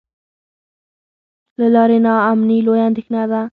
د لارې نا امني لویه اندېښنه وه.